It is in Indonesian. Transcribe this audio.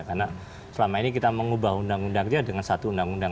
karena selama ini kita mengubah undang undangnya dengan satu undang undang